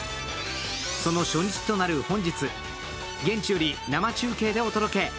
その初日となる本日、現地より生中継でお届け。